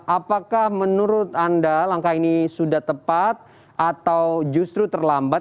apakah menurut anda langkah ini sudah tepat atau justru terlambat